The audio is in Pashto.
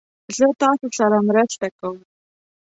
زه تاسو سره مرسته کوم